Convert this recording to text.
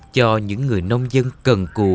cho những người nông dân cần cù